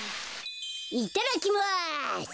いただきます！